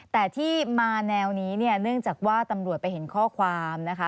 แต่ที่มาแนวนี้เนี่ยเนื่องจากว่าตำรวจไปเห็นข้อความนะคะ